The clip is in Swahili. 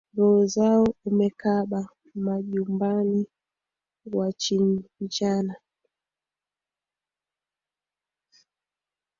Roho zao umekaba, majumbani wachinjana,